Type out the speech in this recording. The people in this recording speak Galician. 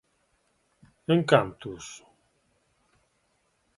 En cantos?